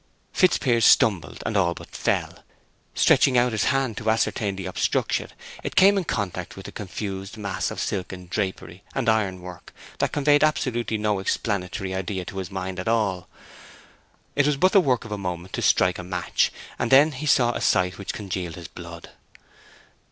Fitzpiers stumbled and all but fell. Stretching down his hand to ascertain the obstruction, it came in contact with a confused mass of silken drapery and iron work that conveyed absolutely no explanatory idea to his mind at all. It was but the work of a moment to strike a match; and then he saw a sight which congealed his blood.